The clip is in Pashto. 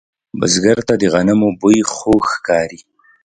بزګر ته د غنمو بوی خوږ ښکاري